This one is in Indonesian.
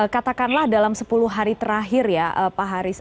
katakanlah dalam sepuluh hari terakhir ya pak haris